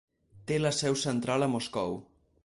Té la seu central a Moscou.